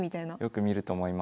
よく見ると思います。